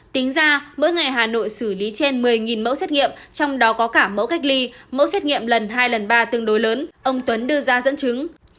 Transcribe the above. tính ra mỗi ngày hà nội xử lý trên một mươi mẫu xét nghiệm trong đó có cả mẫu cách ly mẫu xét nghiệm lần hai lần ba tương đối lớn ông tuấn đưa ra dẫn chứng